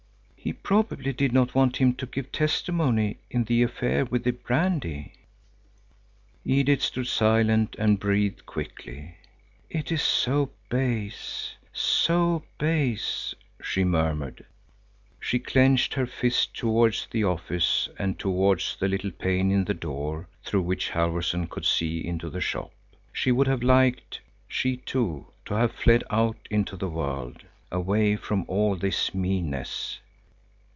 "He probably did not want him to give testimony in the affair with the brandy." Edith stood silent and breathed quickly. "It is so base, so base," she murmured. She clenched her fist towards the office and towards the little pane in the door, through which Halfvorson could see into the shop. She would have liked, she too, to have fled out into the world, away from all this meanness.